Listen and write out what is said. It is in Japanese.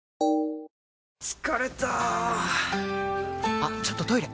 あっちょっとトイレ！